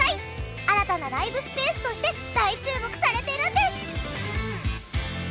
新たなライブスペースとして大注目されているんです！